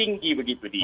tinggi begitu dia